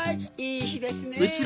いいひですねぇ。